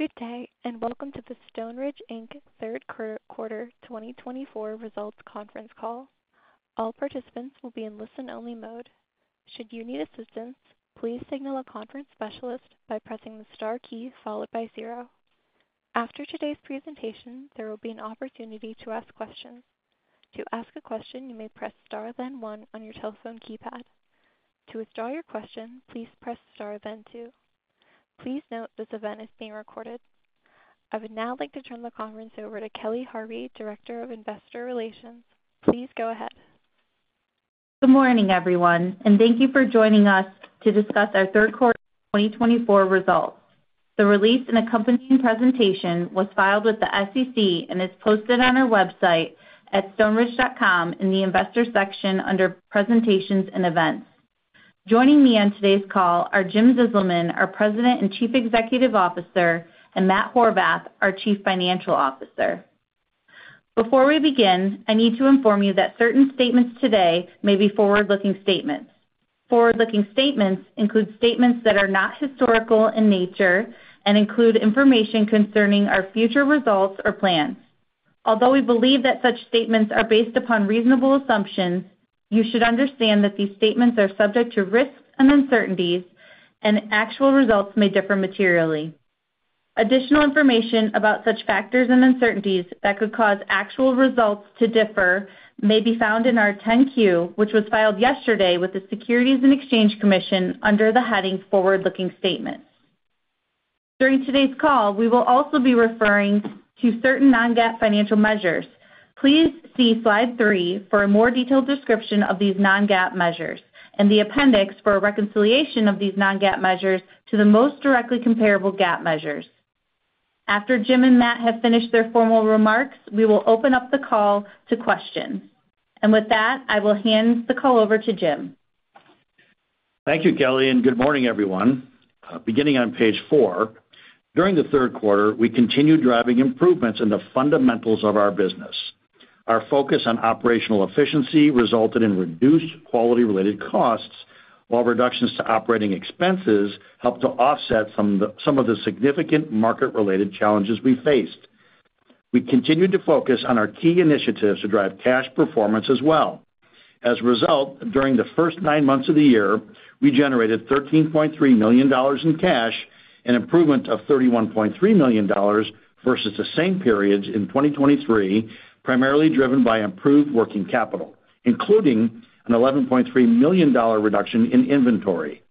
Good day, and welcome to the Stoneridge, Inc. Third Quarter 2024 Results Conference Call. All participants will be in listen-only mode. Should you need assistance, please signal a conference specialist by pressing the star key followed by zero. After today's presentation, there will be an opportunity to ask questions. To ask a question, you may press star then one on your telephone keypad. To withdraw your question, please press star then two. Please note this event is being recorded. I would now like to turn the conference over to Kelly Harvey, Director of Investor Relations. Please go ahead. Good morning, everyone, and thank you for joining us to discuss our Third Quarter 2024 results. The release and accompanying presentation was filed with the SEC and is posted on our website at stoneridge.com in the Investor section under Presentations and Events. Joining me on today's call are Jim Zizelman, our President and Chief Executive Officer, and Matt Horvath, our Chief Financial Officer. Before we begin, I need to inform you that certain statements today may be forward-looking statements. Forward-looking statements include statements that are not historical in nature and include information concerning our future results or plans. Although we believe that such statements are based upon reasonable assumptions, you should understand that these statements are subject to risks and uncertainties, and actual results may differ materially. Additional information about such factors and uncertainties that could cause actual results to differ may be found in our 10-Q, which was filed yesterday with the Securities and Exchange Commission under the heading Forward-Looking Statement. During today's call, we will also be referring to certain non-GAAP financial measures. Please see slide three for a more detailed description of these non-GAAP measures and the appendix for reconciliation of these non-GAAP measures to the most directly comparable GAAP measures. After Jim and Matt have finished their formal remarks, we will open up the call to questions, and with that, I will hand the call over to Jim. Thank you, Kelly, and good morning, everyone. Beginning on page four, during the third quarter, we continued driving improvements in the fundamentals of our business. Our focus on operational efficiency resulted in reduced quality-related costs, while reductions to operating expenses helped to offset some of the significant market-related challenges we faced. We continued to focus on our key initiatives to drive cash performance as well. As a result, during the first nine months of the year, we generated $13.3 million in cash, an improvement of $31.3 million versus the same periods in 2023, primarily driven by improved working capital, including an $11.3 million reduction in inventory.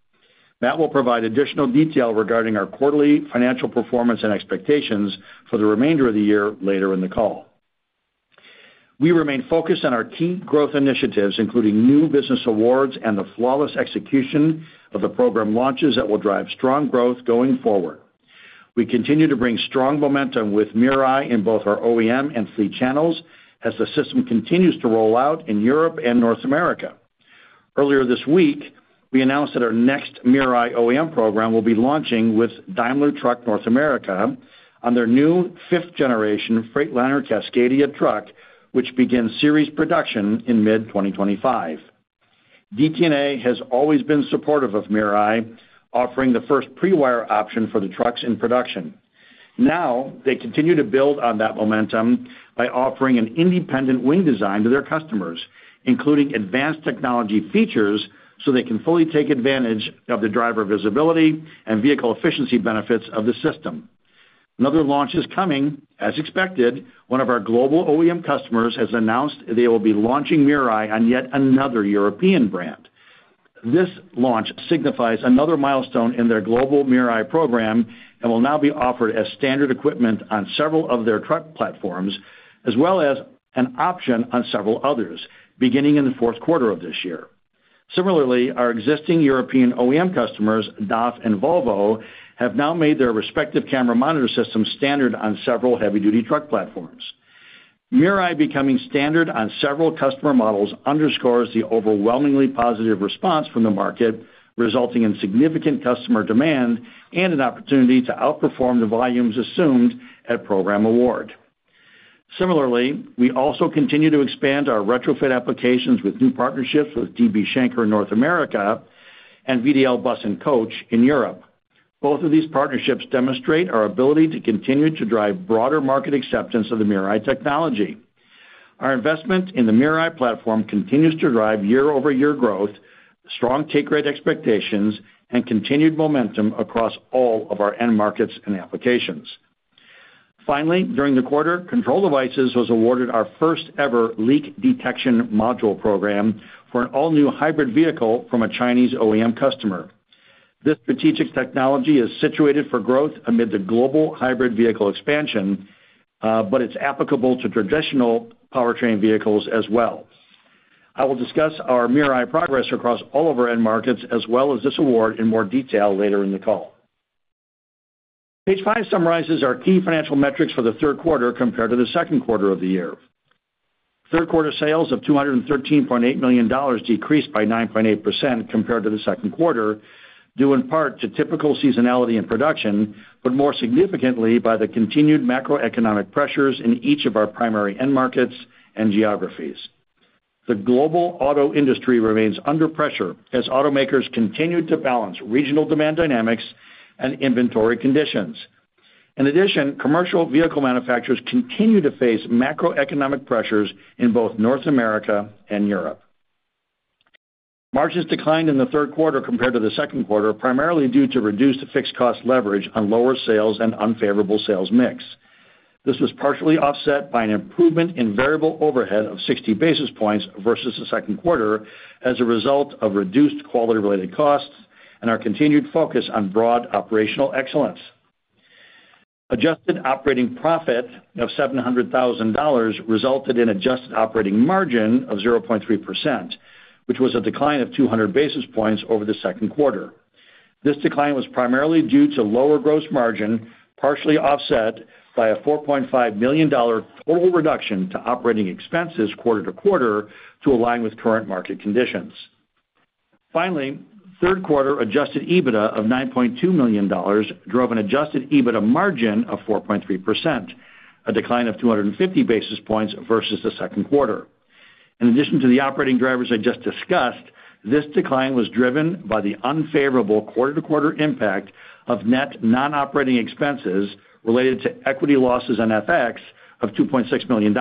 Matt will provide additional detail regarding our quarterly financial performance and expectations for the remainder of the year later in the call. We remain focused on our key growth initiatives, including new business awards and the flawless execution of the program launches that will drive strong growth going forward. We continue to bring strong momentum with MirrorEye in both our OEM and fleet channels as the system continues to roll out in Europe and North America. Earlier this week, we announced that our next MirrorEye OEM program will be launching with Daimler Truck North America on their new fifth-generation Freightliner Cascadia truck, which begins series production in mid-2025. DTNA has always been supportive of MirrorEye, offering the first pre-wire option for the trucks in production. Now, they continue to build on that momentum by offering an independent wing design to their customers, including advanced technology features so they can fully take advantage of the driver visibility and vehicle efficiency benefits of the system. Another launch is coming. As expected, one of our global OEM customers has announced they will be launching MirrorEye on yet another European brand. This launch signifies another milestone in their global MirrorEye program and will now be offered as standard equipment on several of their truck platforms, as well as an option on several others, beginning in the fourth quarter of this year. Similarly, our existing European OEM customers, DAF and Volvo, have now made their respective camera monitor system standard on several heavy-duty truck platforms. MirrorEye becoming standard on several customer models underscores the overwhelmingly positive response from the market, resulting in significant customer demand and an opportunity to outperform the volumes assumed at program award. Similarly, we also continue to expand our retrofit applications with new partnerships with DB Schenker North America and VDL Bus & Coach in Europe. Both of these partnerships demonstrate our ability to continue to drive broader market acceptance of the MirrorEye technology. Our investment in the MirrorEye platform continues to drive year-over-year growth, strong take rate expectations, and continued momentum across all of our end markets and applications. Finally, during the quarter, Control Devices was awarded our first-ever Leak Detection Module program for an all-new hybrid vehicle from a Chinese OEM customer. This strategic technology is situated for growth amid the global hybrid vehicle expansion, but it's applicable to traditional powertrain vehicles as well. I will discuss our MirrorEye progress across all of our end markets, as well as this award, in more detail later in the call. Page five summarizes our key financial metrics for the third quarter compared to the second quarter of the year. Third quarter sales of $213.8 million decreased by 9.8% compared to the second quarter, due in part to typical seasonality in production, but more significantly by the continued macroeconomic pressures in each of our primary end markets and geographies. The global auto industry remains under pressure as automakers continue to balance regional demand dynamics and inventory conditions. In addition, commercial vehicle manufacturers continue to face macroeconomic pressures in both North America and Europe. Margins declined in the third quarter compared to the second quarter, primarily due to reduced fixed cost leverage on lower sales and unfavorable sales mix. This was partially offset by an improvement in variable overhead of 60 basis points versus the second quarter as a result of reduced quality-related costs and our continued focus on broad operational excellence. Adjusted operating profit of $700,000 resulted in adjusted operating margin of 0.3%, which was a decline of 200 basis points over the second quarter. This decline was primarily due to lower gross margin, partially offset by a $4.5 million total reduction to operating expenses quarter to quarter to align with current market conditions. Finally, third quarter Adjusted EBITDA of $9.2 million drove an Adjusted EBITDA margin of 4.3%, a decline of 250 basis points versus the second quarter. In addition to the operating drivers I just discussed, this decline was driven by the unfavorable quarter-to-quarter impact of net non-operating expenses related to equity losses and FX of $2.6 million,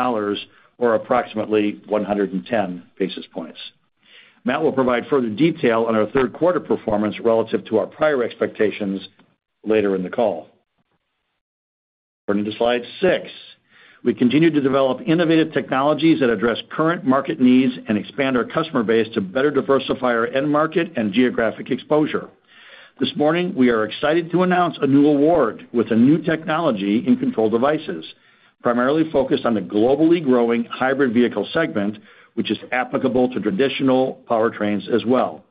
or approximately 110 basis points. Matt will provide further detail on our third quarter performance relative to our prior expectations later in the call. Turning to slide six, we continue to develop innovative technologies that address current market needs and expand our customer base to better diversify our end market and geographic exposure. This morning, we are excited to announce a new award with a new technology in Control Devices, primarily focused on the globally growing hybrid vehicle segment, which is applicable to traditional powertrains as well.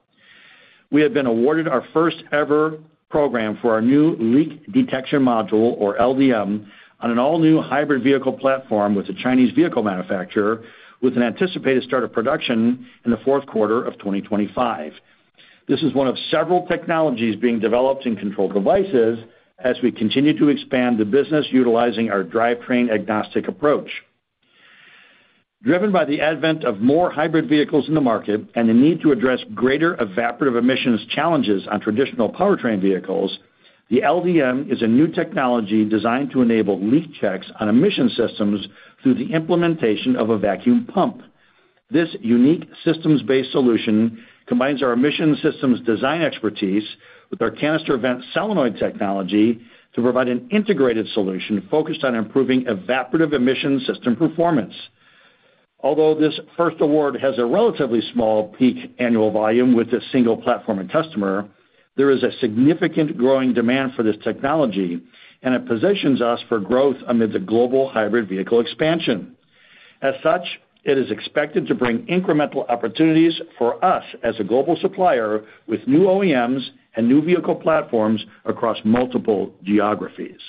We have been awarded our first-ever program for our new Leak Detection Module, or LDM, on an all-new hybrid vehicle platform with a Chinese vehicle manufacturer, with an anticipated start of production in the fourth quarter of 2025. This is one of several technologies being developed in Control Devices as we continue to expand the business utilizing our drivetrain agnostic approach. Driven by the advent of more hybrid vehicles in the market and the need to address greater evaporative emissions challenges on traditional powertrain vehicles, the LDM is a new technology designed to enable leak checks on emission systems through the implementation of a vacuum pump. This unique systems-based solution combines our emission systems design expertise with our canister vent solenoid technology to provide an integrated solution focused on improving evaporative emission system performance. Although this first award has a relatively small peak annual volume with a single platform and customer, there is a significant growing demand for this technology and it positions us for growth amid the global hybrid vehicle expansion. As such, it is expected to bring incremental opportunities for us as a global supplier with new OEMs and new vehicle platforms across multiple geographies.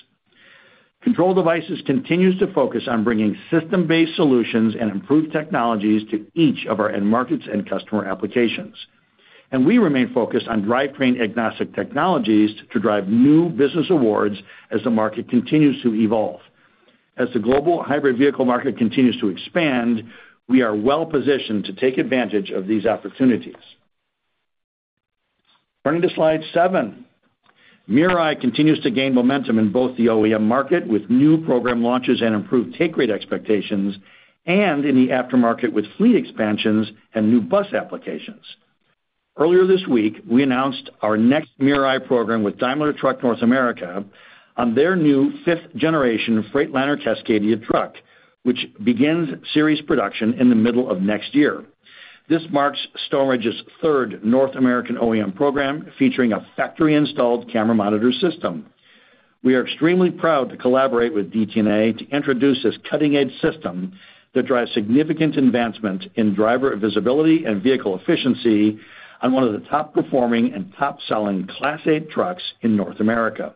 Control Devices continues to focus on bringing system-based solutions and improved technologies to each of our end markets and customer applications, and we remain focused on drivetrain agnostic technologies to drive new business awards as the market continues to evolve. As the global hybrid vehicle market continues to expand, we are well-positioned to take advantage of these opportunities. Turning to slide seven, MirrorEye continues to gain momentum in both the OEM market with new program launches and improved take-rate expectations, and in the aftermarket with fleet expansions and new bus applications. Earlier this week, we announced our next MirrorEye program with Daimler Truck North America on their new fifth-generation Freightliner Cascadia truck, which begins series production in the middle of next year. This marks Stoneridge's third North American OEM program featuring a factory-installed camera monitor system. We are extremely proud to collaborate with DTNA to introduce this cutting-edge system that drives significant advancements in driver visibility and vehicle efficiency on one of the top-performing and top-selling Class 8 trucks in North America.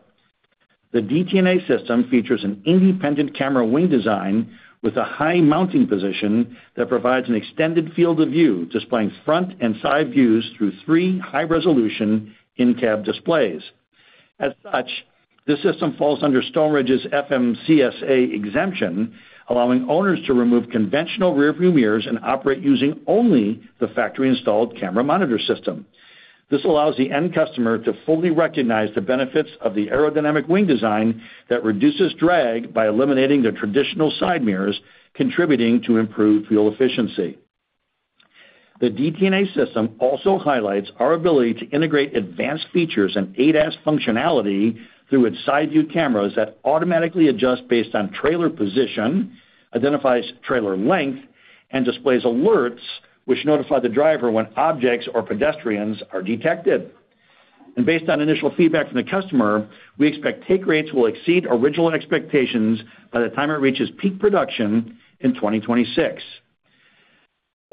The DTNA system features an independent camera wing design with a high mounting position that provides an extended field of view, displaying front and side views through three high-resolution in-cab displays. As such, this system falls under Stoneridge's FMCSA exemption, allowing owners to remove conventional rearview mirrors and operate using only the factory-installed camera monitor system. This allows the end customer to fully recognize the benefits of the aerodynamic wing design that reduces drag by eliminating the traditional side mirrors, contributing to improved fuel efficiency. The DTNA system also highlights our ability to integrate advanced features and ADAS functionality through its side-view cameras that automatically adjust based on trailer position, identifies trailer length, and displays alerts which notify the driver when objects or pedestrians are detected, and based on initial feedback from the customer, we expect take rates will exceed original expectations by the time it reaches peak production in 2026.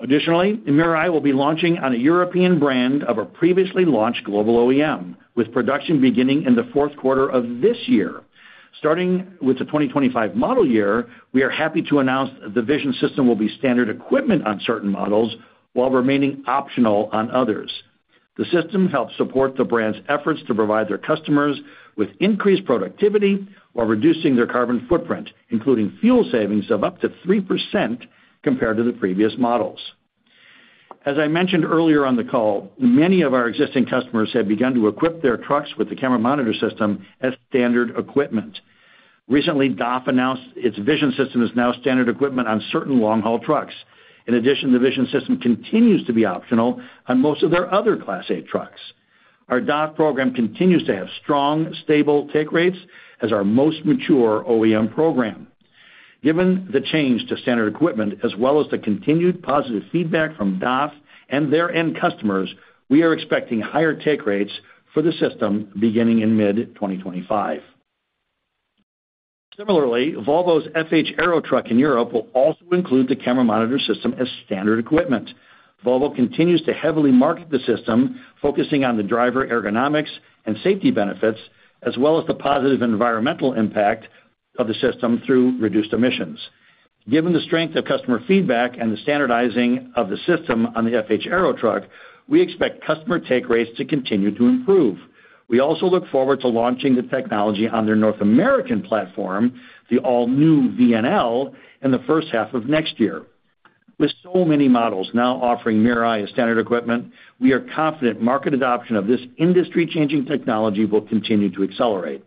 Additionally, MirrorEye will be launching on a European brand of a previously launched global OEM, with production beginning in the fourth quarter of this year. Starting with the 2025 model year, we are happy to announce the vision system will be standard equipment on certain models while remaining optional on others. The system helps support the brand's efforts to provide their customers with increased productivity while reducing their carbon footprint, including fuel savings of up to 3% compared to the previous models. As I mentioned earlier on the call, many of our existing customers have begun to equip their trucks with the camera monitor system as standard equipment. Recently, DAF announced its vision system is now standard equipment on certain long-haul trucks. In addition, the vision system continues to be optional on most of their other Class 8 trucks. Our DAF program continues to have strong, stable take rates as our most mature OEM program. Given the change to standard equipment, as well as the continued positive feedback from DAF and their end customers, we are expecting higher take rates for the system beginning in mid-2025. Similarly, Volvo's FH Aero Truck in Europe will also include the camera monitor system as standard equipment. Volvo continues to heavily market the system, focusing on the driver ergonomics and safety benefits, as well as the positive environmental impact of the system through reduced emissions. Given the strength of customer feedback and the standardizing of the system on the FH Aero Truck, we expect customer take rates to continue to improve. We also look forward to launching the technology on their North American platform, the all-new VNL, in the first half of next year. With so many models now offering MirrorEye as standard equipment, we are confident market adoption of this industry-changing technology will continue to accelerate.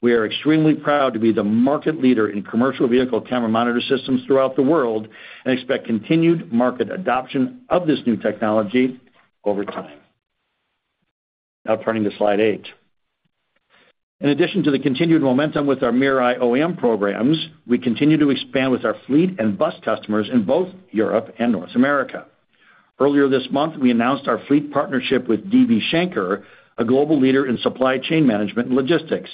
We are extremely proud to be the market leader in commercial vehicle camera monitor systems throughout the world and expect continued market adoption of this new technology over time. Now, turning to slide eight. In addition to the continued momentum with our MirrorEye OEM programs, we continue to expand with our fleet and bus customers in both Europe and North America. Earlier this month, we announced our fleet partnership with DB Schenker, a global leader in supply chain management and logistics.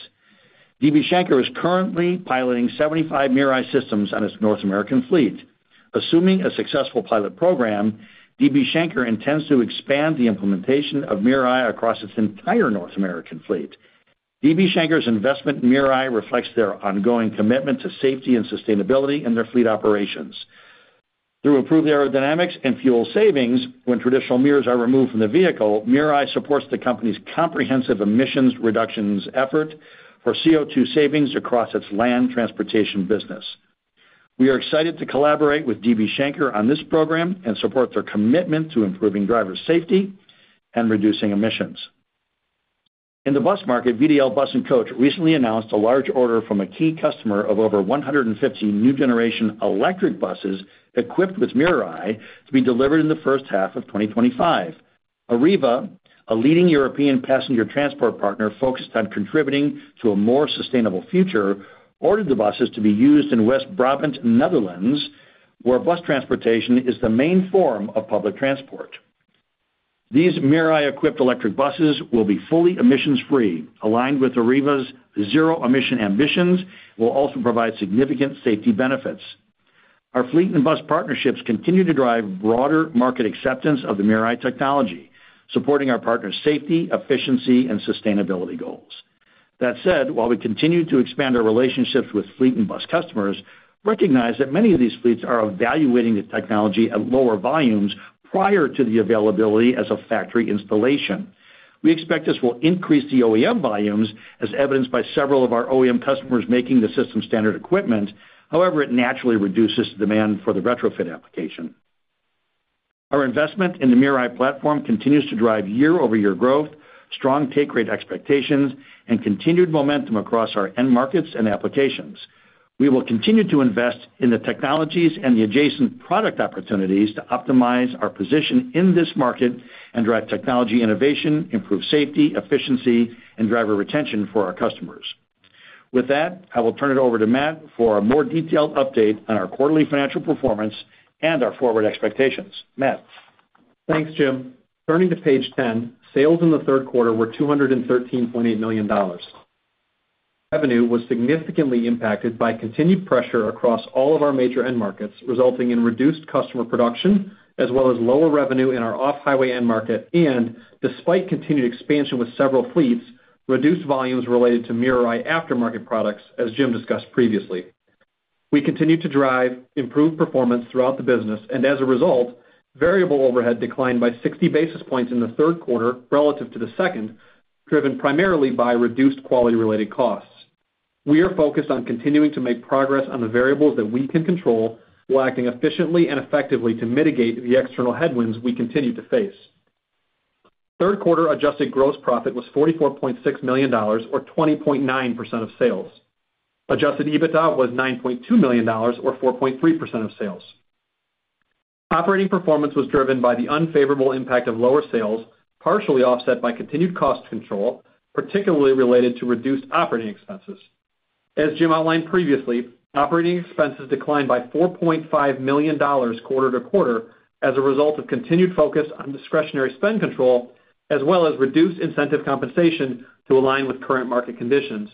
DB Schenker is currently piloting 75 MirrorEye systems on its North American fleet. Assuming a successful pilot program, DB Schenker intends to expand the implementation of MirrorEye across its entire North American fleet. DB Schenker's investment in MirrorEye reflects their ongoing commitment to safety and sustainability in their fleet operations. Through improved aerodynamics and fuel savings, when traditional mirrors are removed from the vehicle, MirrorEye supports the company's comprehensive emissions reductions effort for CO₂ savings across its land transportation business. We are excited to collaborate with DB Schenker on this program and support their commitment to improving driver safety and reducing emissions. In the bus market, VDL Bus & Coach recently announced a large order from a key customer of over 150 new generation electric buses equipped with MirrorEye to be delivered in the first half of 2025. Arriva, a leading European passenger transport partner focused on contributing to a more sustainable future, ordered the buses to be used in West Brabant, Netherlands, where bus transportation is the main form of public transport. These MirrorEye-equipped electric buses will be fully emissions-free, aligned with Arriva's zero-emission ambitions, and will also provide significant safety benefits. Our fleet and bus partnerships continue to drive broader market acceptance of the MirrorEye technology, supporting our partner's safety, efficiency, and sustainability goals. That said, while we continue to expand our relationships with fleet and bus customers, recognize that many of these fleets are evaluating the technology at lower volumes prior to the availability as a factory installation. We expect this will increase the OEM volumes, as evidenced by several of our OEM customers making the system standard equipment. However, it naturally reduces demand for the retrofit application. Our investment in the MirrorEye platform continues to drive year-over-year growth, strong take-rate expectations, and continued momentum across our end markets and applications. We will continue to invest in the technologies and the adjacent product opportunities to optimize our position in this market and drive technology innovation, improve safety, efficiency, and driver retention for our customers. With that, I will turn it over to Matt for a more detailed update on our quarterly financial performance and our forward expectations. Matt. Thanks, Jim. Turning to page 10, sales in the third quarter were $213.8 million. Revenue was significantly impacted by continued pressure across all of our major end markets, resulting in reduced customer production, as well as lower revenue in our off-highway end market, and, despite continued expansion with several fleets, reduced volumes related to MirrorEye aftermarket products, as Jim discussed previously. We continue to drive improved performance throughout the business, and as a result, variable overhead declined by 60 basis points in the third quarter relative to the second, driven primarily by reduced quality-related costs. We are focused on continuing to make progress on the variables that we can control, while acting efficiently and effectively to mitigate the external headwinds we continue to face. Third quarter adjusted gross profit was $44.6 million, or 20.9% of sales. Adjusted EBITDA was $9.2 million, or 4.3% of sales. Operating performance was driven by the unfavorable impact of lower sales, partially offset by continued cost control, particularly related to reduced operating expenses. As Jim outlined previously, operating expenses declined by $4.5 million quarter to quarter as a result of continued focus on discretionary spend control, as well as reduced incentive compensation to align with current market conditions.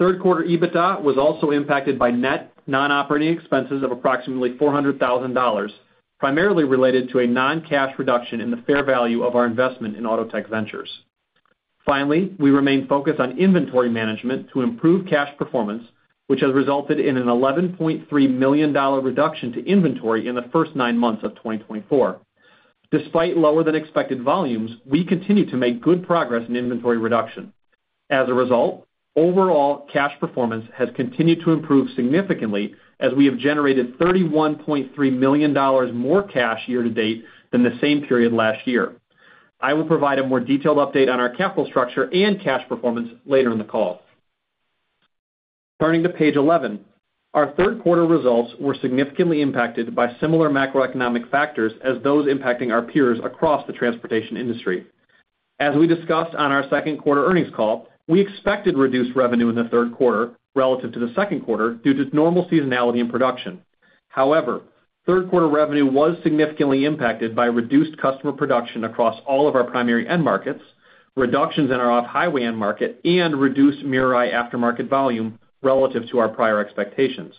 Third quarter EBITDA was also impacted by net non-operating expenses of approximately $400,000, primarily related to a non-cash reduction in the fair value of our investment in Autotech Ventures. Finally, we remained focused on inventory management to improve cash performance, which has resulted in an $11.3 million reduction to inventory in the first nine months of 2024. Despite lower than expected volumes, we continue to make good progress in inventory reduction. As a result, overall cash performance has continued to improve significantly as we have generated $31.3 million more cash year to date than the same period last year. I will provide a more detailed update on our capital structure and cash performance later in the call. Turning to page 11, our third quarter results were significantly impacted by similar macroeconomic factors as those impacting our peers across the transportation industry. As we discussed on our second quarter earnings call, we expected reduced revenue in the third quarter relative to the second quarter due to normal seasonality in production. However, third quarter revenue was significantly impacted by reduced customer production across all of our primary end markets, reductions in our off-highway end market, and reduced MirrorEye aftermarket volume relative to our prior expectations.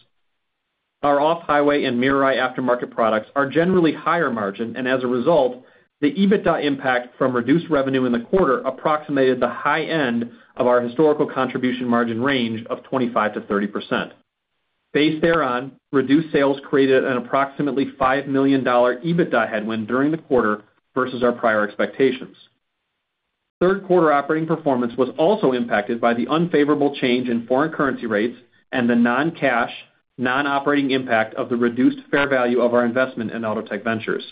Our off-highway and MirrorEye aftermarket products are generally higher margin, and as a result, the EBITDA impact from reduced revenue in the quarter approximated the high end of our historical contribution margin range of 25%-30%. Based thereon, reduced sales created an approximately $5 million EBITDA headwind during the quarter versus our prior expectations. Third quarter operating performance was also impacted by the unfavorable change in foreign currency rates and the non-cash, non-operating impact of the reduced fair value of our investment in Autotech Ventures.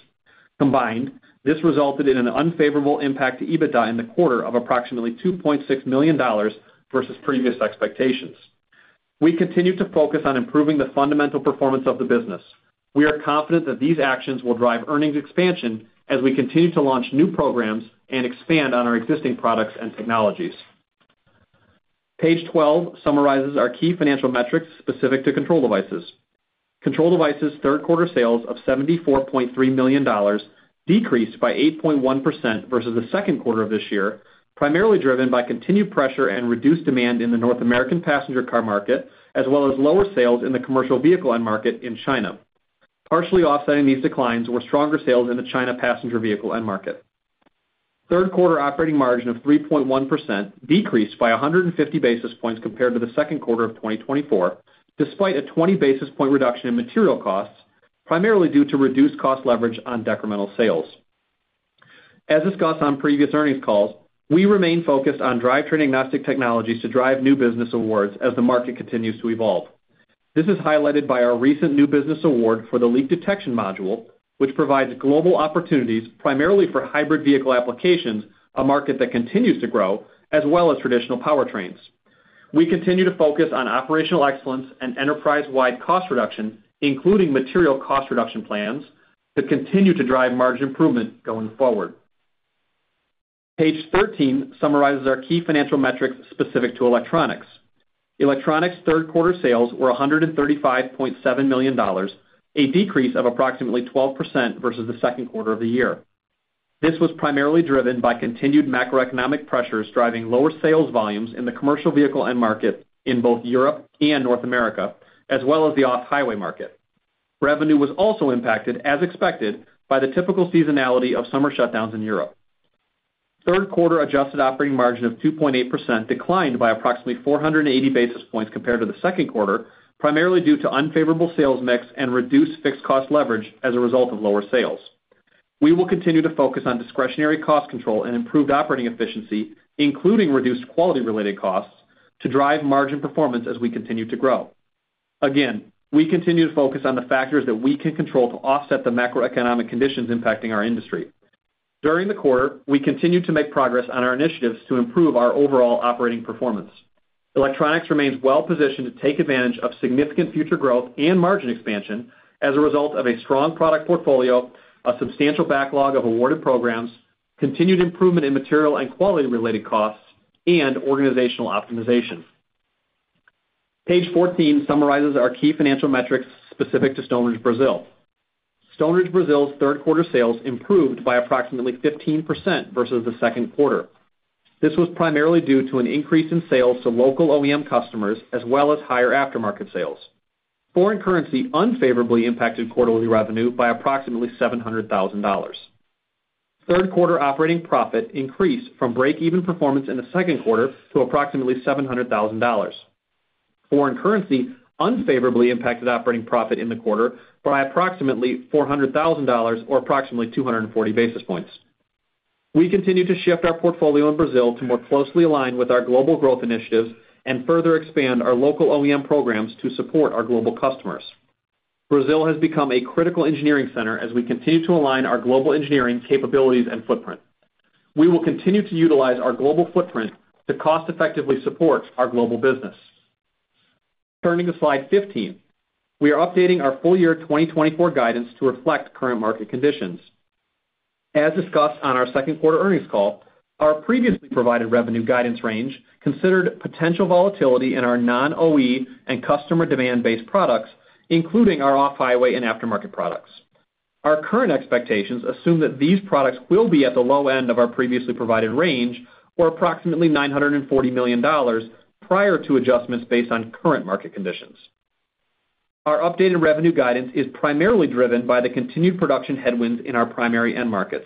Combined, this resulted in an unfavorable impact to EBITDA in the quarter of approximately $2.6 million versus previous expectations. We continue to focus on improving the fundamental performance of the business. We are confident that these actions will drive earnings expansion as we continue to launch new programs and expand on our existing products and technologies. Page 12 summarizes our key financial metrics specific to Control Devices. Control Devices' third quarter sales of $74.3 million decreased by 8.1% versus the second quarter of this year, primarily driven by continued pressure and reduced demand in the North American passenger car market, as well as lower sales in the commercial vehicle end market in China. Partially offsetting these declines were stronger sales in the China passenger vehicle end market. Third quarter operating margin of 3.1% decreased by 150 basis points compared to the second quarter of 2024, despite a 20 basis point reduction in material costs, primarily due to reduced cost leverage on decremental sales. As discussed on previous earnings calls, we remain focused on drivetrain agnostic technologies to drive new business awards as the market continues to evolve. This is highlighted by our recent new business award for the Leak Detection Module, which provides global opportunities primarily for hybrid vehicle applications, a market that continues to grow, as well as traditional powertrains. We continue to focus on operational excellence and enterprise-wide cost reduction, including material cost reduction plans, to continue to drive margin improvement going forward. Page 13 summarizes our key financial metrics specific to Electronics. Electronics' third quarter sales were $135.7 million, a decrease of approximately 12% versus the second quarter of the year. This was primarily driven by continued macroeconomic pressures driving lower sales volumes in the commercial vehicle end market in both Europe and North America, as well as the off-highway market. Revenue was also impacted, as expected, by the typical seasonality of summer shutdowns in Europe. Third quarter adjusted operating margin of 2.8% declined by approximately 480 basis points compared to the second quarter, primarily due to unfavorable sales mix and reduced fixed cost leverage as a result of lower sales. We will continue to focus on discretionary cost control and improved operating efficiency, including reduced quality-related costs, to drive margin performance as we continue to grow. Again, we continue to focus on the factors that we can control to offset the macroeconomic conditions impacting our industry. During the quarter, we continue to make progress on our initiatives to improve our overall operating performance. Electronics remains well-positioned to take advantage of significant future growth and margin expansion as a result of a strong product portfolio, a substantial backlog of awarded programs, continued improvement in material and quality-related costs, and organizational optimization. Page 14 summarizes our key financial metrics specific to Stoneridge Brazil. Stoneridge Brazil's third quarter sales improved by approximately 15% versus the second quarter. This was primarily due to an increase in sales to local OEM customers, as well as higher aftermarket sales. Foreign currency unfavorably impacted quarterly revenue by approximately $700,000. Third quarter operating profit increased from break-even performance in the second quarter to approximately $700,000. Foreign currency unfavorably impacted operating profit in the quarter by approximately $400,000 or approximately 240 basis points. We continue to shift our portfolio in Brazil to more closely align with our global growth initiatives and further expand our local OEM programs to support our global customers. Brazil has become a critical engineering center as we continue to align our global engineering capabilities and footprint. We will continue to utilize our global footprint to cost-effectively support our global business. Turning to slide 15, we are updating our full year 2024 guidance to reflect current market conditions. As discussed on our second quarter earnings call, our previously provided revenue guidance range considered potential volatility in our non-OE and customer demand-based products, including our off-highway and aftermarket products. Our current expectations assume that these products will be at the low end of our previously provided range, or approximately $940 million, prior to adjustments based on current market conditions. Our updated revenue guidance is primarily driven by the continued production headwinds in our primary end markets.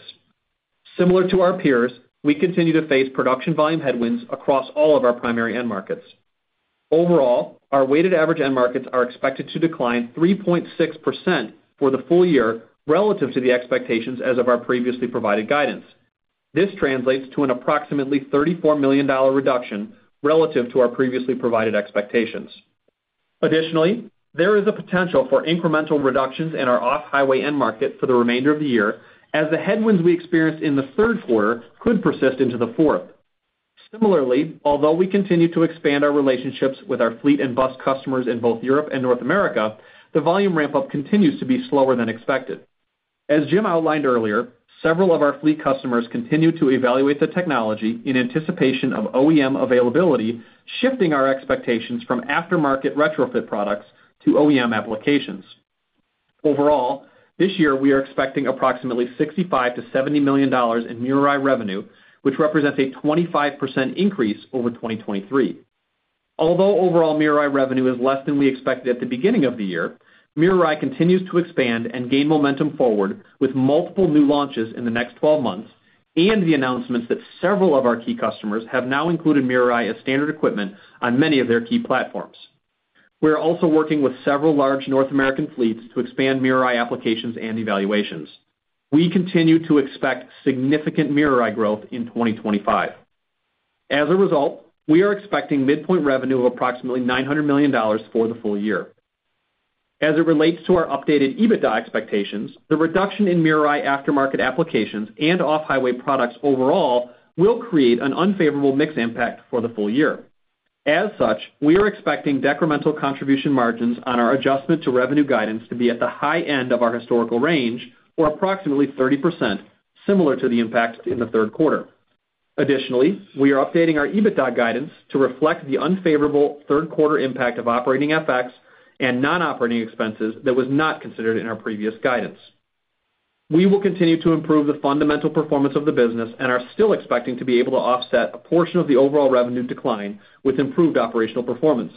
Similar to our peers, we continue to face production volume headwinds across all of our primary end markets. Overall, our weighted average end markets are expected to decline 3.6% for the full year relative to the expectations as of our previously provided guidance. This translates to an approximately $34 million reduction relative to our previously provided expectations. Additionally, there is a potential for incremental reductions in our off-highway end market for the remainder of the year, as the headwinds we experienced in the third quarter could persist into the fourth. Similarly, although we continue to expand our relationships with our fleet and bus customers in both Europe and North America, the volume ramp-up continues to be slower than expected. As Jim outlined earlier, several of our fleet customers continue to evaluate the technology in anticipation of OEM availability, shifting our expectations from aftermarket retrofit products to OEM applications. Overall, this year we are expecting approximately $65-$70 million in MirrorEye revenue, which represents a 25% increase over 2023. Although overall MirrorEye revenue is less than we expected at the beginning of the year, MirrorEye continues to expand and gain momentum forward with multiple new launches in the next 12 months and the announcements that several of our key customers have now included MirrorEye as standard equipment on many of their key platforms. We are also working with several large North American fleets to expand MirrorEye applications and evaluations. We continue to expect significant MirrorEye growth in 2025. As a result, we are expecting midpoint revenue of approximately $900 million for the full year. As it relates to our updated EBITDA expectations, the reduction in MirrorEye aftermarket applications and off-highway products overall will create an unfavorable mix impact for the full year. As such, we are expecting decremental contribution margins on our adjustment to revenue guidance to be at the high end of our historical range, or approximately 30%, similar to the impact in the third quarter. Additionally, we are updating our EBITDA guidance to reflect the unfavorable third quarter impact of operating FX and non-operating expenses that was not considered in our previous guidance. We will continue to improve the fundamental performance of the business and are still expecting to be able to offset a portion of the overall revenue decline with improved operational performance.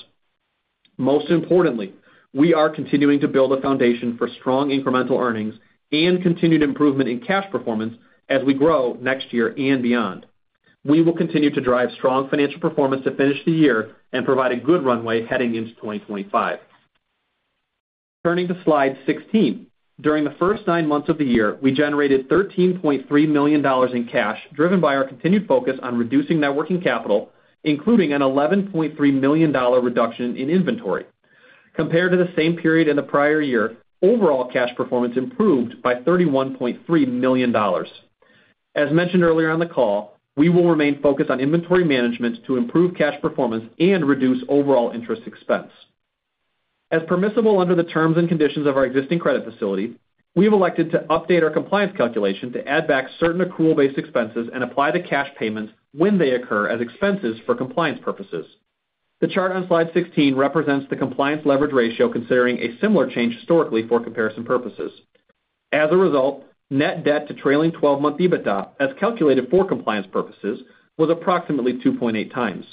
Most importantly, we are continuing to build a foundation for strong incremental earnings and continued improvement in cash performance as we grow next year and beyond. We will continue to drive strong financial performance to finish the year and provide a good runway heading into 2025. Turning to slide 16, during the first nine months of the year, we generated $13.3 million in cash driven by our continued focus on reducing working capital, including an $11.3 million reduction in inventory. Compared to the same period in the prior year, overall cash performance improved by $31.3 million. As mentioned earlier on the call, we will remain focused on inventory management to improve cash performance and reduce overall interest expense. As permissible under the terms and conditions of our existing credit facility, we have elected to update our compliance calculation to add back certain accrual-based expenses and apply the cash payments when they occur as expenses for compliance purposes. The chart on slide 16 represents the compliance leverage ratio considering a similar change historically for comparison purposes. As a result, net debt to trailing 12-month EBITDA, as calculated for compliance purposes, was approximately 2.8 times.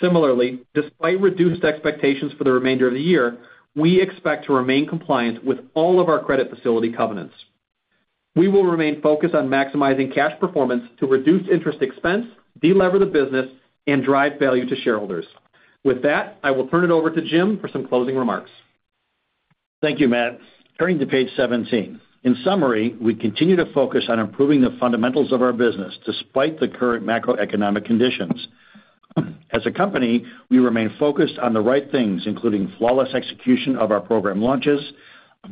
Similarly, despite reduced expectations for the remainder of the year, we expect to remain compliant with all of our credit facility covenants. We will remain focused on maximizing cash performance to reduce interest expense, delever the business, and drive value to shareholders. With that, I will turn it over to Jim for some closing remarks. Thank you, Matt. Turning to page 17, in summary, we continue to focus on improving the fundamentals of our business despite the current macroeconomic conditions. As a company, we remain focused on the right things, including flawless execution of our program launches,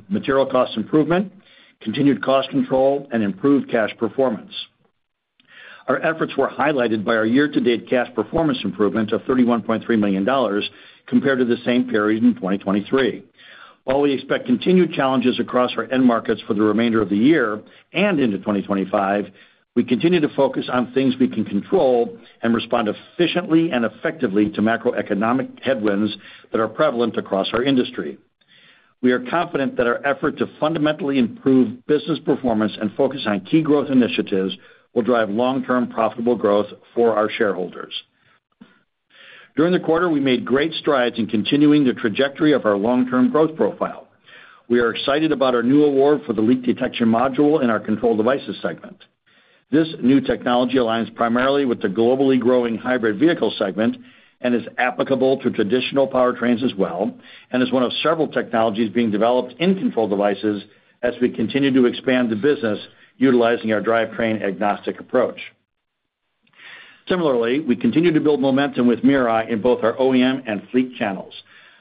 material cost improvement, continued cost control, and improved cash performance. Our efforts were highlighted by our year-to-date cash performance improvement of $31.3 million compared to the same period in 2023. While we expect continued challenges across our end markets for the remainder of the year and into 2025, we continue to focus on things we can control and respond efficiently and effectively to macroeconomic headwinds that are prevalent across our industry. We are confident that our effort to fundamentally improve business performance and focus on key growth initiatives will drive long-term profitable growth for our shareholders. During the quarter, we made great strides in continuing the trajectory of our long-term growth profile. We are excited about our new award for the Leak Detection Module in our Control Devices segment. This new technology aligns primarily with the globally growing hybrid vehicle segment and is applicable to traditional powertrains as well, and is one of several technologies being developed in Control Devices as we continue to expand the business utilizing our drivetrain agnostic approach. Similarly, we continue to build momentum with MirrorEye in both our OEM and fleet channels.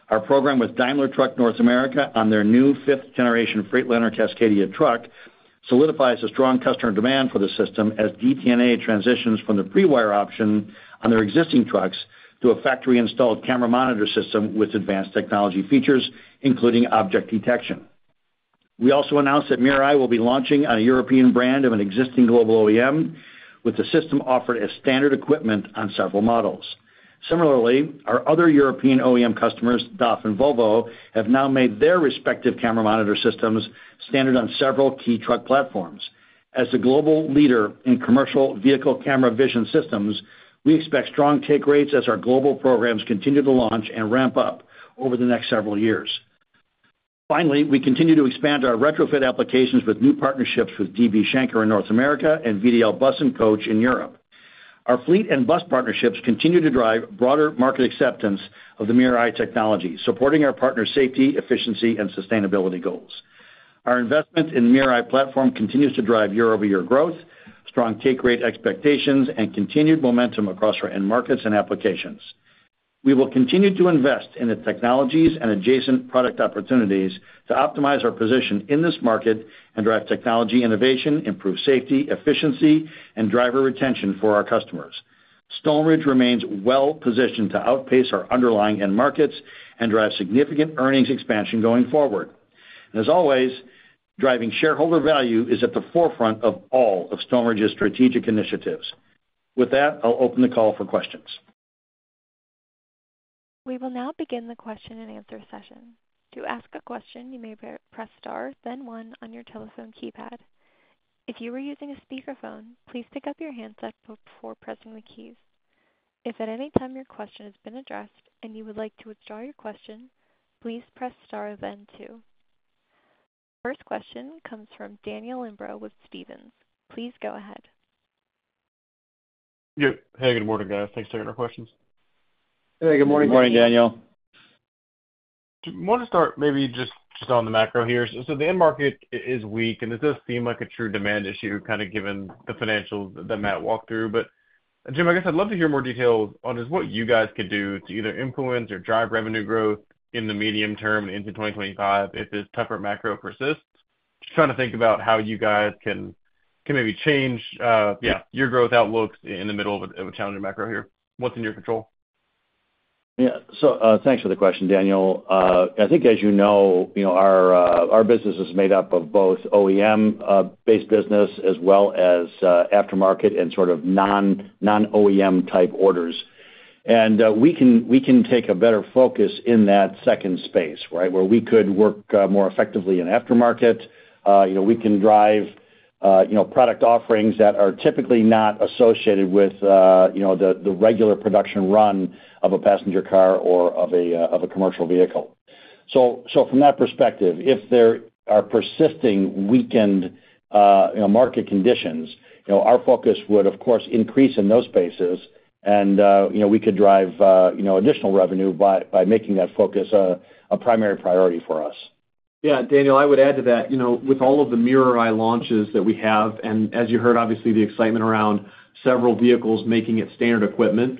Our program with Daimler Truck North America on their new fifth-generation Freightliner Cascadia truck solidifies a strong customer demand for the system as DTNA transitions from the pre-wire option on their existing trucks to a factory-installed camera monitor system with advanced technology features, including object detection. We also announced that MirrorEye will be launching a European brand of an existing global OEM, with the system offered as standard equipment on several models. Similarly, our other European OEM customers, DAF and Volvo, have now made their respective camera monitor systems standard on several key truck platforms. As the global leader in commercial vehicle camera vision systems, we expect strong take rates as our global programs continue to launch and ramp up over the next several years. Finally, we continue to expand our retrofit applications with new partnerships with DB Schenker in North America and VDL Bus & Coach in Europe. Our fleet and bus partnerships continue to drive broader market acceptance of the MirrorEye technology, supporting our partner's safety, efficiency, and sustainability goals. Our investment in the MirrorEye platform continues to drive year-over-year growth, strong take rate expectations, and continued momentum across our end markets and applications. We will continue to invest in the technologies and adjacent product opportunities to optimize our position in this market and drive technology innovation, improve safety, efficiency, and driver retention for our customers. Stoneridge remains well-positioned to outpace our underlying end markets and drive significant earnings expansion going forward. As always, driving shareholder value is at the forefront of all of Stoneridge's strategic initiatives. With that, I'll open the call for questions. We will now begin the question and answer session. To ask a question, you may press star, then one on your telephone keypad. If you are using a speakerphone, please pick up your handset before pressing the keys. If at any time your question has been addressed and you would like to withdraw your question, please press star, then two. First question comes from Daniel Imbro with Stephens. Please go ahead. Yeah. Hey, good morning, guys. Thanks for taking our questions. Hey, good morning. Good morning, Daniel. I want to start maybe just on the macro here. So the end market is weak, and it does seem like a true demand issue, kind of given the financials that Matt walked through. But Jim, I guess I'd love to hear more details on just what you guys could do to either influence or drive revenue growth in the medium term into 2025 if this tougher macro persists. Just trying to think about how you guys can maybe change, yeah, your growth outlook in the middle of a challenging macro here. What's in your control? Yeah. So thanks for the question, Daniel. I think, as you know, our business is made up of both OEM-based business as well as aftermarket and sort of non-OEM type orders. And we can take a better focus in that second space, right, where we could work more effectively in aftermarket. We can drive product offerings that are typically not associated with the regular production run of a passenger car or of a commercial vehicle. So from that perspective, if there are persisting weakened market conditions, our focus would, of course, increase in those spaces, and we could drive additional revenue by making that focus a primary priority for us. Yeah, Daniel, I would add to that, with all of the MirrorEye launches that we have, and as you heard, obviously, the excitement around several vehicles making it standard equipment,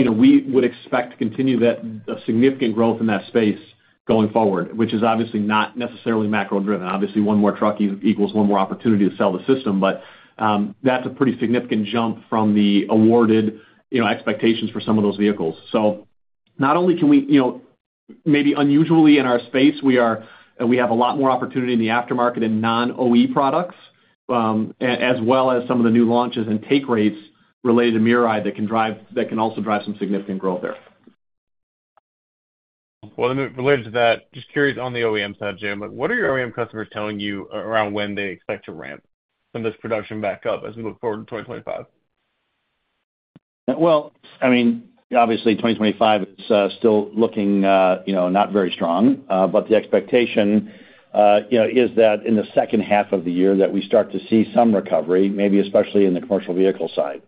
we would expect to continue that significant growth in that space going forward, which is obviously not necessarily macro-driven. Obviously, one more truck equals one more opportunity to sell the system, but that's a pretty significant jump from the awarded expectations for some of those vehicles. So not only can we, maybe unusually in our space, we have a lot more opportunity in the aftermarket and non-OE products, as well as some of the new launches and take rates related to MirrorEye that can also drive some significant growth there. Well, related to that, just curious on the OEM side, Jim, but what are your OEM customers telling you around when they expect to ramp this production back up as we look forward to 2025? Well, I mean, obviously, 2025 is still looking not very strong, but the expectation is that in the second half of the year that we start to see some recovery, maybe especially in the commercial vehicle side.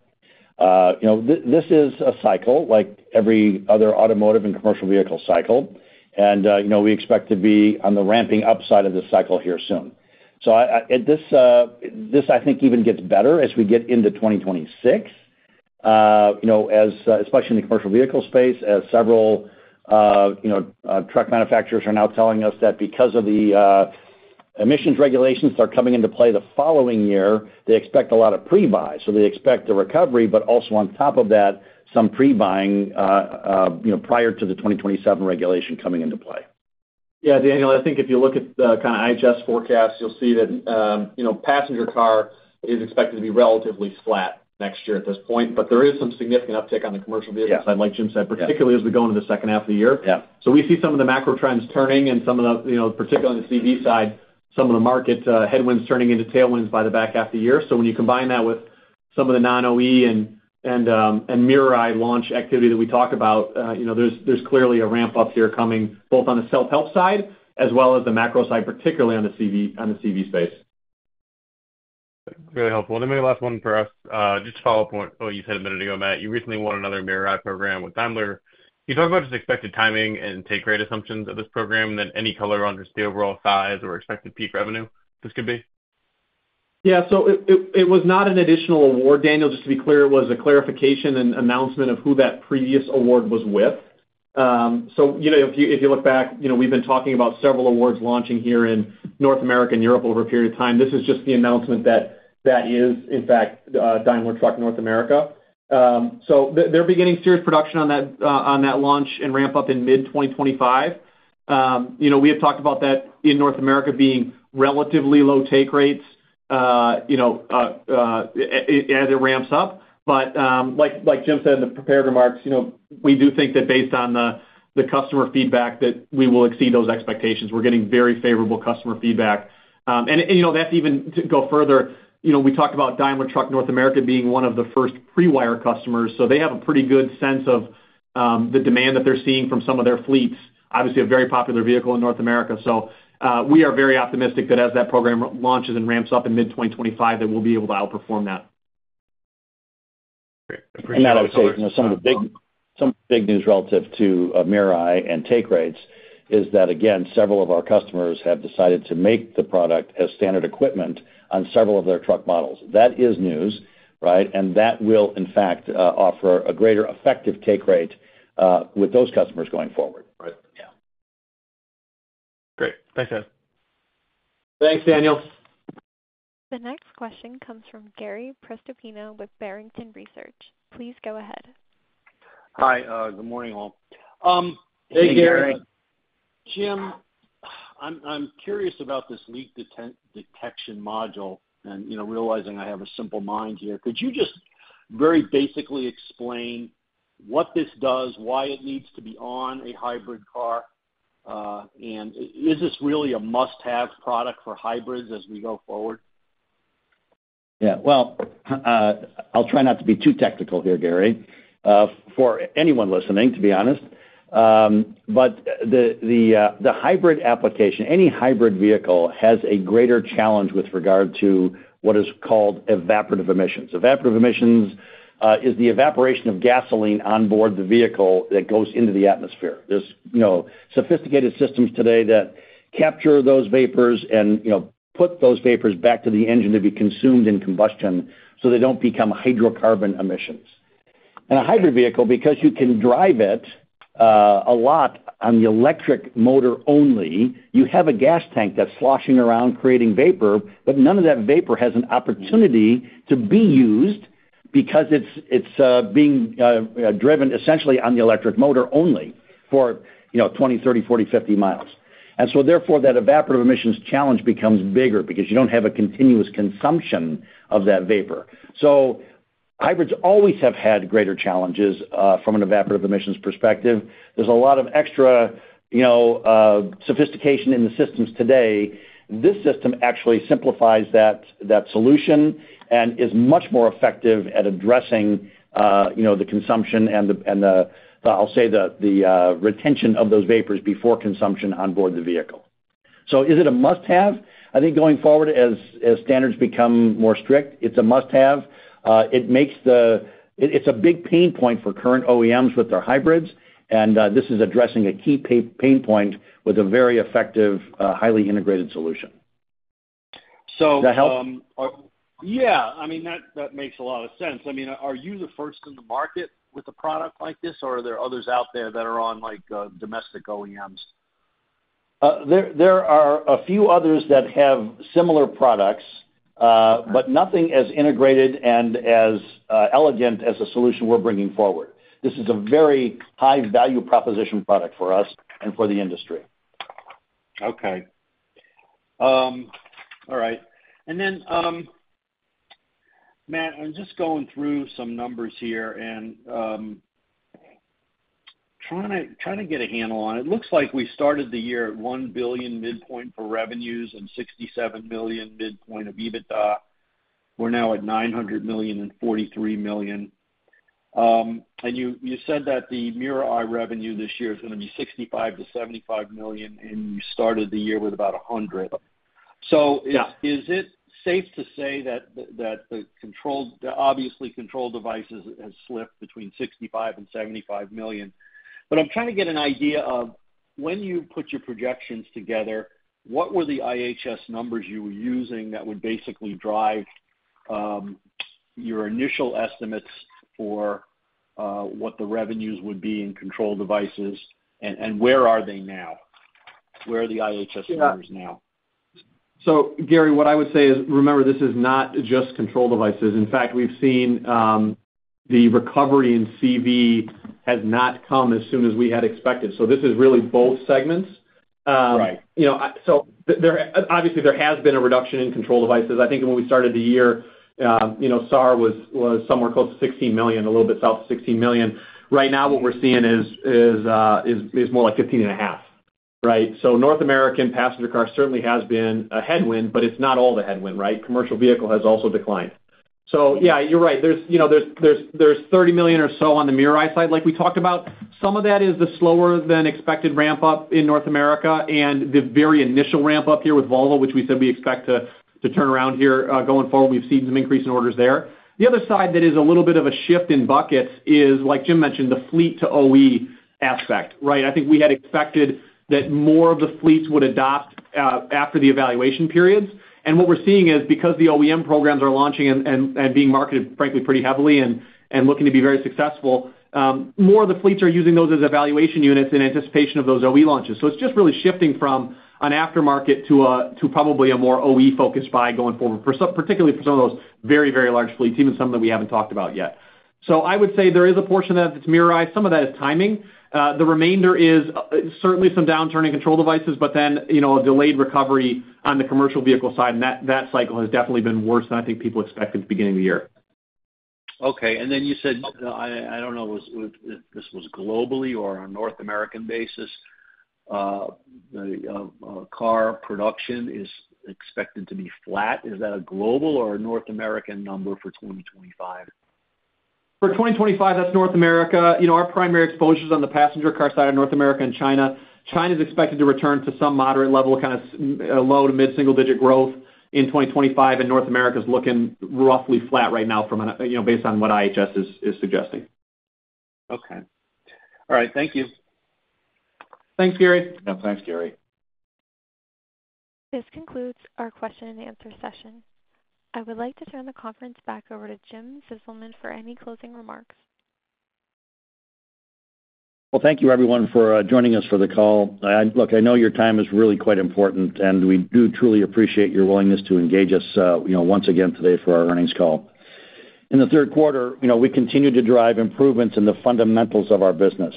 This is a cycle like every other automotive and commercial vehicle cycle, and we expect to be on the ramping up side of the cycle here soon. So this, I think, even gets better as we get into 2026, especially in the commercial vehicle space, as several truck manufacturers are now telling us that because of the emissions regulations that are coming into play the following year, they expect a lot of pre-buys. So they expect the recovery, but also on top of that, some pre-buying prior to the 2027 regulation coming into play. Yeah, Daniel, I think if you look at the kind of IHS forecast, you'll see that passenger car is expected to be relatively flat next year at this point, but there is some significant uptick on the commercial vehicle side, like Jim said, particularly as we go into the second half of the year. So we see some of the macro trends turning and some of the, particularly on the CV side, some of the market headwinds turning into tailwinds by the back half of the year. So when you combine that with some of the non-OE and MirrorEye launch activity that we talked about, there's clearly a ramp up here coming both on the self-help side as well as the macro side, particularly on the CV space. Really helpful. And then maybe last one for us, just to follow up on what you said a minute ago, Matt, you recently won another MirrorEye program with Daimler. Can you talk about just expected timing and take rate assumptions of this program and then any color on just the overall size or expected peak revenue this could be? Yeah, so it was not an additional award, Daniel. Just to be clear, it was a clarification and announcement of who that previous award was with. So if you look back, we've been talking about several awards launching here in North America and Europe over a period of time. This is just the announcement that that is, in fact, Daimler Truck North America. So they're beginning series production on that launch and ramp up in mid-2025. We have talked about that in North America being relatively low take rates as it ramps up. But like Jim said in the prepared remarks, we do think that based on the customer feedback that we will exceed those expectations. We're getting very favorable customer feedback. And that's even to go further. We talked about Daimler Truck North America being one of the first pre-wire customers. So they have a pretty good sense of the demand that they're seeing from some of their fleets. Obviously, a very popular vehicle in North America. We are very optimistic that as that program launches and ramps up in mid-2025, that we'll be able to outperform that. And that I would say some of the big news relative to MirrorEye and take rates is that, again, several of our customers have decided to make the product as standard equipment on several of their truck models. That is news, right? And that will, in fact, offer a greater effective take rate with those customers going forward, right? Yeah. Great. Thanks, Matt. Thanks, Daniel. The next question comes from Gary Prestopino with Barrington Research. Please go ahead. Hi. Good morning, all. Hey, Gary. Jim, I'm curious about this Leak Detection Module and realizing I have a simple mind here. Could you just very basically explain what this does, why it needs to be on a hybrid car, and is this really a must-have product for hybrids as we go forward? Yeah. Well, I'll try not to be too technical here, Gary, for anyone listening, to be honest. But the hybrid application, any hybrid vehicle has a greater challenge with regard to what is called evaporative emissions. Evaporative emissions is the evaporation of gasoline onboard the vehicle that goes into the atmosphere. There's sophisticated systems today that capture those vapors and put those vapors back to the engine to be consumed in combustion so they don't become hydrocarbon emissions. And a hybrid vehicle, because you can drive it a lot on the electric motor only, you have a gas tank that's sloshing around creating vapor, but none of that vapor has an opportunity to be used because it's being driven essentially on the electric motor only for 20, 30, 40, 50 miles. And so therefore, that evaporative emissions challenge becomes bigger because you don't have a continuous consumption of that vapor. So hybrids always have had greater challenges from an evaporative emissions perspective. There's a lot of extra sophistication in the systems today. This system actually simplifies that solution and is much more effective at addressing the consumption and, I'll say, the retention of those vapors before consumption onboard the vehicle. So is it a must-have? I think going forward, as standards become more strict, it's a must-have. It's a big pain point for current OEMs with their hybrids, and this is addressing a key pain point with a very effective, highly integrated solution. So that helps? Yeah. I mean, that makes a lot of sense. I mean, are you the first in the market with a product like this, or are there others out there that are on domestic OEMs? There are a few others that have similar products, but nothing as integrated and as elegant as the solution we're bringing forward. This is a very high-value proposition product for us and for the industry. Okay. All right. And then, Matt, I'm just going through some numbers here and trying to get a handle on it. It looks like we started the year at $1 billion midpoint for revenues and $67 million midpoint of EBITDA. We're now at $900 million and $43 million. And you said that the MirrorEye revenue this year is going to be $65 million-$75 million, and you started the year with about $100 million. So is it safe to say that the Control, obviously Control Devices have slipped between $65 million and $75 million? But I'm trying to get an idea of when you put your projections together, what were the IHS numbers you were using that would basically drive your initial estimates for what the revenues would be in Control Devices, and where are they now? Where are the IHS numbers now? So, Gary, what I would say is, remember, this is not just Control Devices. In fact, we've seen the recovery in CV has not come as soon as we had expected. So this is really both segments. So obviously, there has been a reduction in Control Devices. I think when we started the year, SAAR was somewhere close to 16 million, a little bit south of 16 million. Right now, what we're seeing is more like 15.5 million, right? So North American passenger car certainly has been a headwind, but it's not all the headwind, right? Commercial vehicle has also declined. So yeah, you're right. There's 30 million or so on the MirrorEye side like we talked about. Some of that is the slower-than-expected ramp-up in North America and the very initial ramp-up here with Volvo, which we said we expect to turn around here going forward. We've seen some increase in orders there. The other side that is a little bit of a shift in buckets is, like Jim mentioned, the fleet-to-OE aspect, right? I think we had expected that more of the fleets would adopt after the evaluation periods. What we're seeing is because the OEM programs are launching and being marketed, frankly, pretty heavily and looking to be very successful, more of the fleets are using those as evaluation units in anticipation of those OE launches. So it's just really shifting from an aftermarket to probably a more OE-focused buy going forward, particularly for some of those very, very large fleets, even some that we haven't talked about yet. So I would say there is a portion of it that's MirrorEye. Some of that is timing. The remainder is certainly some downturn in Control Devices, but then a delayed recovery on the commercial vehicle side. That cycle has definitely been worse than I think people expected at the beginning of the year. Okay. And then you said, I don't know if this was globally or on a North American basis, car production is expected to be flat. Is that a global or a North American number for 2025? For 2025, that's North America. Our primary exposure is on the passenger car side of North America and China. China is expected to return to some moderate level of kind of low to mid-single-digit growth in 2025, and North America is looking roughly flat right now based on what IHS is suggesting. Okay. All right. Thank you. Thanks, Gary. Thanks, Gary. This concludes our question-and-answer session. I would like to turn the conference back over to Jim Zizelman for any closing remarks. Well, thank you, everyone, for joining us for the call. Look, I know your time is really quite important, and we do truly appreciate your willingness to engage us once again today for our earnings call. In the third quarter, we continue to drive improvements in the fundamentals of our business.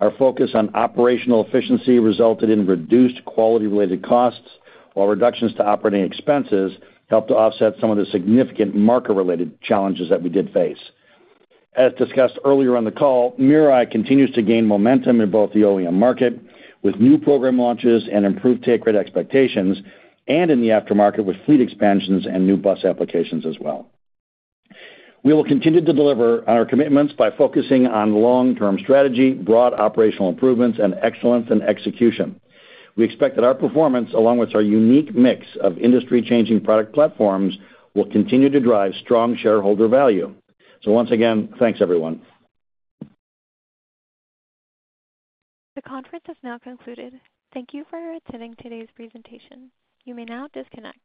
Our focus on operational efficiency resulted in reduced quality-related costs, while reductions to operating expenses helped to offset some of the significant market-related challenges that we did face. As discussed earlier on the call, MirrorEye continues to gain momentum in both the OEM market with new program launches and improved take rate expectations, and in the aftermarket with fleet expansions and new bus applications as well. We will continue to deliver on our commitments by focusing on long-term strategy, broad operational improvements, and excellence in execution. We expect that our performance, along with our unique mix of industry-changing product platforms, will continue to drive strong shareholder value. So once again, thanks, everyone. The conference has now concluded. Thank you for attending today's presentation. You may now disconnect.